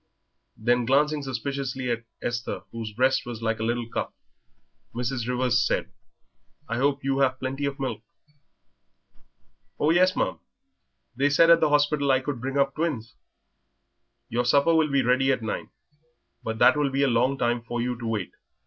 Then, glancing suspiciously at Esther, whose breast was like a little cup, Mrs. Rivers said, "I hope you have plenty of milk?" "Oh, yes, ma'am; they said at the hospital I could bring up twins." "Your supper will be ready at nine. But that will be a long time for you to wait.